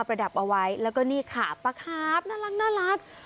ประดับเอาไว้แล้วก็นี่ค่ะปลาคาร์ฟน่ารักน่ารัก